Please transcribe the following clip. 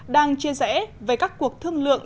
đang chia rẽ về các cuộc thương lượng